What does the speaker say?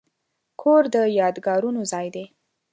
کور د یادګارونو ځای دی.